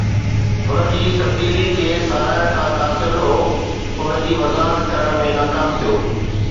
هن تبديلي کي ساراهڻ کان قاصر، هو ان جي وضاحت ڪرڻ ۾ ناڪام ٿيو